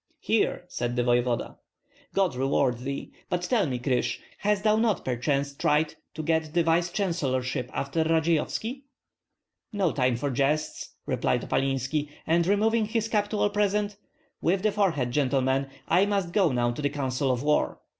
"Here!" said the voevoda. "God reward thee. But tell me, Krysh, hast thou not perchance tried to get the vice chancellorship after Radzeyovski?" "No time for jests," replied Opalinski; and removing his cap to all present: "With the forehead, gentlemen! I must go to the council of war."